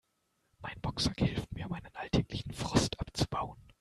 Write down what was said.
Mein Boxsack hilft mir, meinen alltäglichen Frust abzubauen.